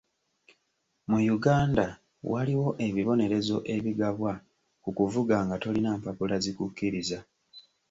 Mu Uganda waliwo ebibonerezo ebigabwa ku kuvuga nga tolina mpapula zikukkiriza.